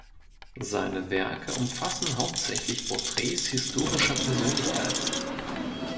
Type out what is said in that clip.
Seine Werke umfassen hauptsächlich Porträts historischer Persönlichkeiten.